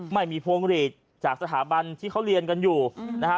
พวงหลีดจากสถาบันที่เขาเรียนกันอยู่นะฮะ